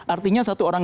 artinya satu orang